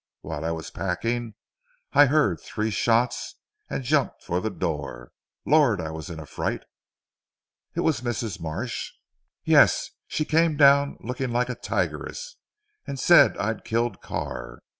While I was packing I heard three shots, and jumped for the door. Lord I was in a fright." "It was Mrs. Marsh." "Yes. She came down looking like a tigress, and said I'd killed Carr.